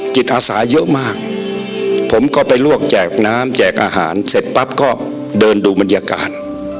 จิตอาสาเยอะมากผมก็ไปลวกแจกน้ำแจกอาหารเสร็จปั๊บก็เดินดูบรรยากาศ